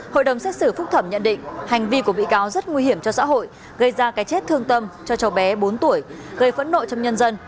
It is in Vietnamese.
hội đồng xét xử phúc thẩm nhận định hành vi của bị cáo rất nguy hiểm cho xã hội gây ra cái chết thương tâm cho cháu bé bốn tuổi gây phẫn nộ trong nhân dân